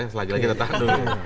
kita tahan dulu